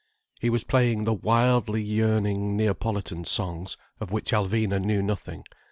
He was playing the wildly yearning Neapolitan songs, of which Alvina knew nothing.